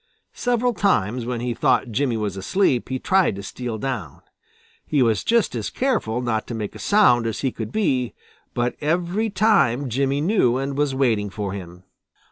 Several times, when he thought Jimmy was asleep, he tried to steal down. He was just as careful not to make a sound as he could be, but every time Jimmy knew and was waiting for him.